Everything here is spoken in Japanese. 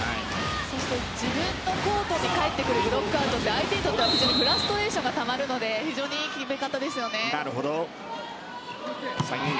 そして自分のコートに返ってくるブロックアウトって相手にとってはフラストレーションがたまるので非常にいい決め方ですね。